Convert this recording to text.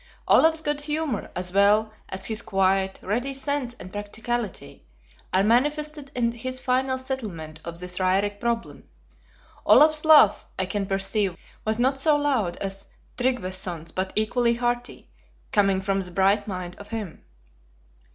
Olaf's good humor, as well as his quiet, ready sense and practicality, are manifested in his final settlement of this Raerik problem. Olaf's laugh, I can perceive, was not so loud as Tryggveson's but equally hearty, coming from the bright mind of him!